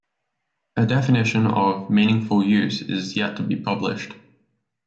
A definition of "Meaningful use" is yet to be published.